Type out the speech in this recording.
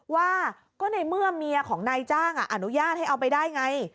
ว่าก็ในเมื่อเมียของนายจ้างอนุญาตให้เอาไปได้ไง